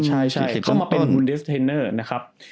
ใช่เขามาเป็นคุณเดสเทนเนอร์นะครับ